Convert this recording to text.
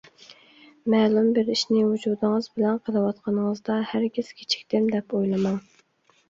مەلۇم بىر ئىشنى ۋۇجۇدىڭىز بىلەن قىلىۋاتقىنىڭىزدا، ھەرگىز كېچىكتىم دەپ ئويلىماڭ.